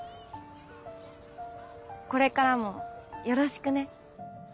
これからもよろしくね。